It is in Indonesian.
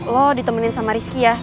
lo ditemenin sama rizky ya